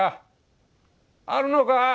あるのか？